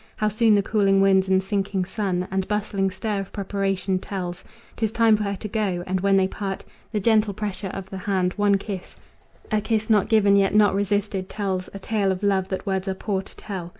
How soon the cooling winds and sinking sun And bustling stir of preparation tells 'Tis time for her to go; and when they part, The gentle pressure of the hand, one kiss A kiss not given yet not resisted tells A tale of love that words are poor to tell.